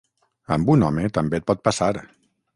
Amb un home també et pot passar...